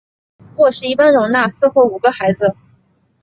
卧室一般容纳四或五个孩子。